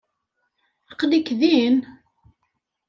Aql-ik din?